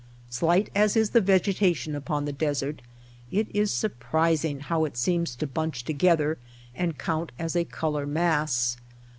Slight as is the vegetation upon the desert, it is surprising how it seems to bunch together and count as a color mass.